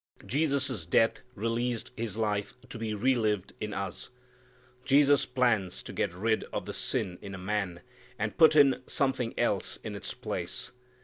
Jesus' death released His life to be re lived in us. Jesus plans to get rid of the sin in a man, and put in something else in its place.